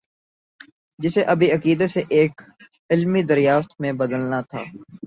جسے ابھی عقیدے سے ایک علمی دریافت میں بدلنا تھا۔